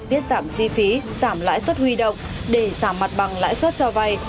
tiết giảm chi phí giảm lãi suất huy động để giảm mặt bằng lãi suất cho vay